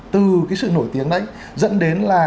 từ cái sự nổi tiếng đấy dẫn đến là